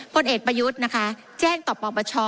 ผลเอกประยุทธ์นะคะแจ้งต่อปปช